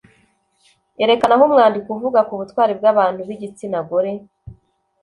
Erekana aho umwandiko uvuga ku butwari bw’abantu b’igitsina gore.